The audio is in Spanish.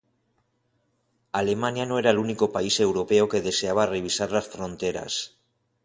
Alemania no era el único país europeo que deseaba revisar las fronteras.